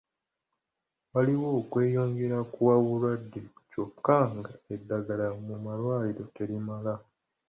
Waliwo okweyongera kw'obulwadde kyokka ng'eddagala mu malwaliro terimala.